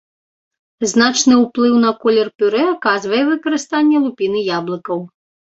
Значны ўплыў на колер пюрэ аказвае выкарыстанне лупіны яблыкаў.